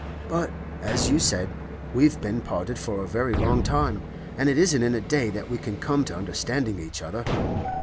But, as you said, we've been parted for a very long time, and it isn't in a day that we can come to understand each other.